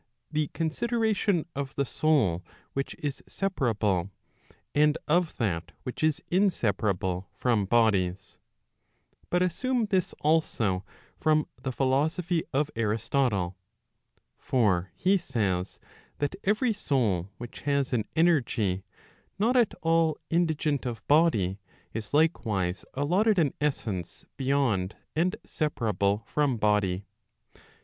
the consideration of the soul which is separable, and of that which is inseparable from bodies. But assume this also from the philosophy of Aristotle. For he says, that every soul which has an energy not at all indigent of body, is likewise allotted an essence beyond and separable from body.